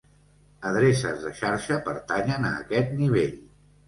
Adreces de xarxa pertanyen a aquest nivell.